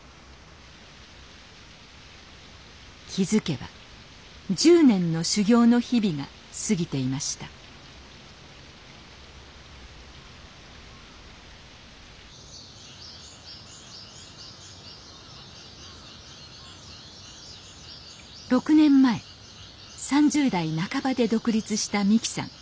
気付けば１０年の修業の日々が過ぎていました６年前３０代半ばで独立した美紀さん。